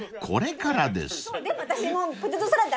これからです］